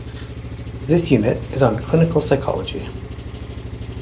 This unit is on clinical psychology.